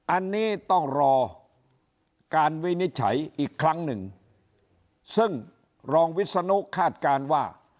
อันนี้ต้องรอการวินิจฉัยอีกครั้งหนึ่งซึ่งรองวิศนุคาดการณ์ว่า